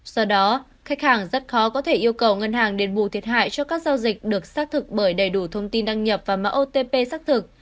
do đó khách hàng rất khó có thể yêu cầu ngân hàng đền bù thiệt hại cho các giao dịch được xác thực bởi đầy đủ thông tin đăng nhập và mã otp xác thực